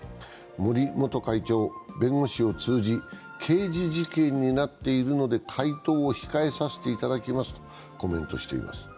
森元会長、弁護士を通じ、刑事事件になっているので、回答を控えさせていただきますとコメントしています。